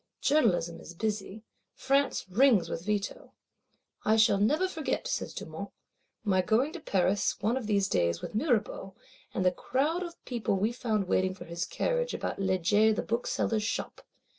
Journalism is busy, France rings with Veto. "I shall never forget," says Dumont, "my going to Paris, one of these days, with Mirabeau; and the crowd of people we found waiting for his carriage, about Le Jay the Bookseller's shop.